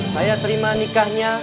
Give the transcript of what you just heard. saya terima nikahnya